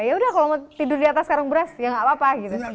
ya udah kalau mau tidur di atas karung beras ya nggak apa apa gitu